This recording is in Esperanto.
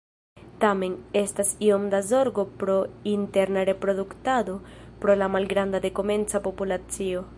Tamen, estas iom da zorgo pro interna reproduktado pro la malgranda dekomenca populacio.